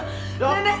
nenek gak mungkin buta